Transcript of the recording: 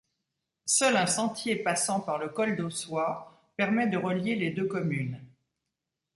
Seul un sentier passant par le col d'Aussois permet de relier les deux communes.